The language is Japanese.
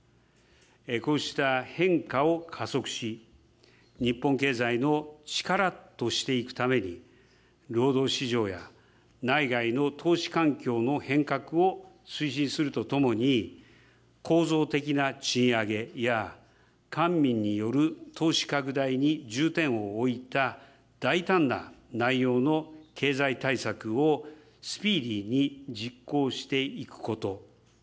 こうした変化を加速し、日本経済の力としていくために、労働市場や内外の投資環境の変革を推進するとともに、構造的な賃上げや、官民による投資拡大に重点を置いた大胆な内容の経済対策をスピーディーに実行していくこと。